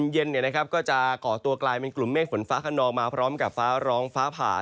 เย็นก็จะก่อตัวกลายเป็นกลุ่มเมฆฝนฟ้าขนองมาพร้อมกับฟ้าร้องฟ้าผ่า